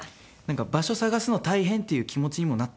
場所探すの大変っていう気持ちにもなった事ないんですよ。